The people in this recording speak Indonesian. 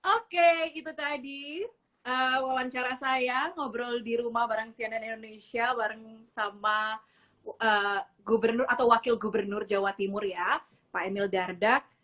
oke itu tadi wawancara saya ngobrol di rumah bareng cnn indonesia bareng sama gubernur atau wakil gubernur jawa timur ya pak emil dardak